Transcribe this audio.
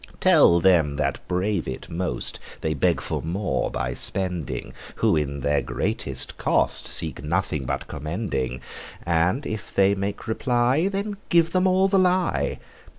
Tell them that brave it most, They beg for more by spending, Who in their greatest cost Like nothing but commending. And if they make reply, Then give them all the lie.